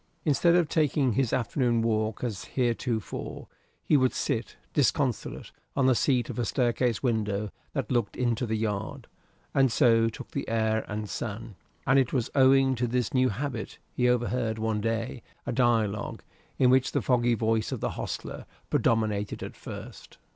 Instead of taking his afternoon walk as heretofore, he would sit disconsolate on the seat of a staircase window that looked into the yard, and so take the air and sun: and it was owing to this new habit he overheard, one day, a dialogue, in which the foggy voice of the hostler predominated at first.